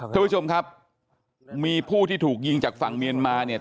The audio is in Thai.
ทุกผู้ชมครับมีผู้ที่ถูกยิงจากฝั่งเมียนมาเนี่ย